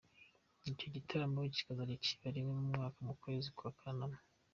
Icyo gitaramo kikazajya kiba rimwe mu mwaka mu kwezi kwa Kanama.